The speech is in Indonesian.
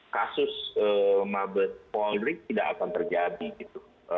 kasus mabes polri tidak akan terjadi gitu